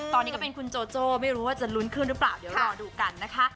ตอนนี้ก็เป็นคุณโจโจ้ไม่รู้ว่าจะลุ้นขึ้นหรือเปล่าเดี๋ยวรอดูกันนะคะ